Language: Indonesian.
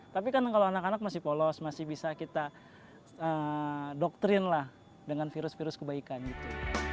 tapi kan kalau anak anak masih polos masih bisa kita doktrin lah dengan virus virus kebaikan gitu